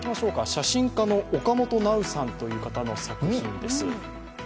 写真家の岡本なうさんという方の作品です。